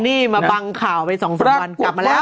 นี่มาบังข่าวไป๒๓วันกลับมาแล้ว